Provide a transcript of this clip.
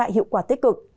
hiệu quả tích cực